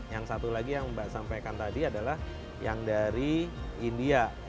yang satu lagi yang mbak sampaikan tadi adalah yang dari india